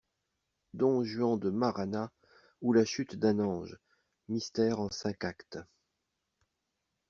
=Don Juan de Marana ou la chute d'un ange.= Mystère en cinq actes.